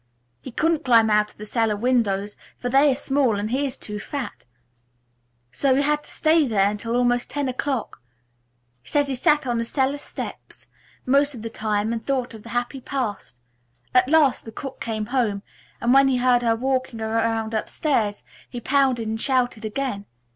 He couldn't climb out of the cellar windows, for they are too small and he is too fat, so he had to stay there until almost ten o'clock. He says he sat on the cellar steps most of the time and thought of the happy past. At last the cook came home and when he heard her walking around upstairs he pounded and shouted again.